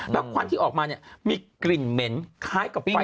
แล้วควันที่ออกมาเนี่ยมีกลิ่นเหม็นคล้ายกับไฟ